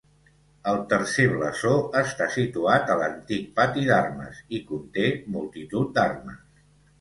El tercer blasó està situat a l'antic pati d'armes, i conté multitud d'armes.